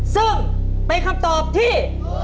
ซึ่งเป็นคำตอบที่